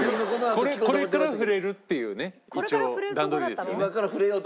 これから触れるっていうね一応段取りですよね？